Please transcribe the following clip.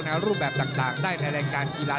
รูปแบบต่างได้ในรายการกีฬา